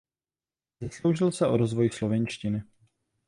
Zasloužil se o rozvoj slovinštiny.